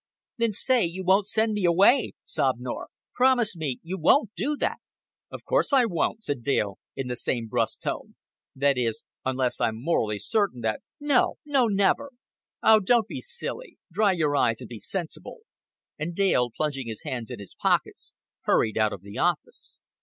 "Then say you won't send me away," sobbed Norah. "Promise me you won't do that." "Of course I won't," said Dale, in the same brusk tone. "That is, unless I'm morally certain that " "No, no never." "Oh, don't be silly. Dry your eyes, and be sensible;" and Dale, plunging his hands in his pockets, hurried out of the office.